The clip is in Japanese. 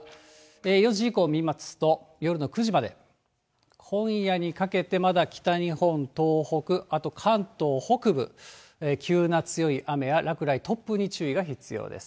４時以降見ますと夜の９時まで、今夜にかけてまだ北日本、東北、あと関東北部、急な強い雨や落雷、突風に注意が必要です。